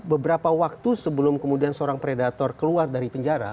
beberapa waktu sebelum kemudian seorang predator keluar dari penjara